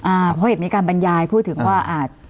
เพราะเห็นมีการบรรยายพูดถึงว่าอาจ